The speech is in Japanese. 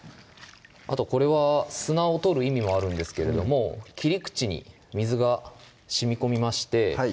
あとこれは砂を取る意味もあるんですけれども切り口に水がしみこみましてはい